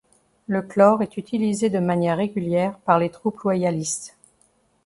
Le chlore est utilisé de manière régulière par les troupes loyalistes.